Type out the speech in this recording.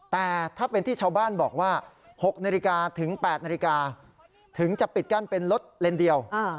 แต่ถ้าเป็นที่ชาวบ้านบอกว่า๖นาฬิกาถึง๘นาฬิกาถึงจะปิดกั้นเป็นรถเลนเดียว